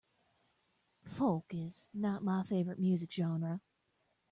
Folk is not my favorite music genre.